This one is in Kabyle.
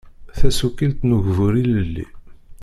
Tasuqilt n ugbur ilelli